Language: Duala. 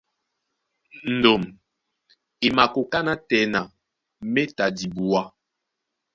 Ndôm e makoká nátɛna méta dibuá.